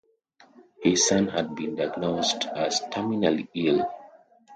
His son had been diagnosed as terminally ill.